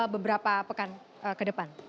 beberapa pekan ke depan